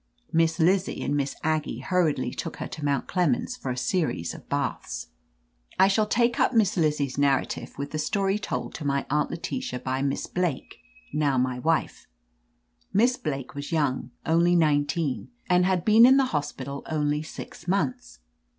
Miss Lizzie and Miss Aggie hurriedly took her to Mount Clemens for a series of baths. "I shall take up Miss Lizzie's narrative with 192 V_ I .IH LETITIA CARBERRY the story told to my Aunt Letitia by Miss Blake, now my wife. Miss Blake was young, only nineteen, and had been in the hospital only six months.